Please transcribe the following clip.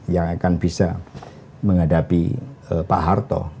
yang akan bisa menghadapi pak harto